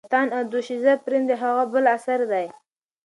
شیطان او دوشیزه پریم د هغه بل اثر دی.